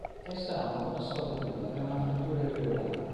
Essa ha una buona sfaldatura e una frattura irregolare.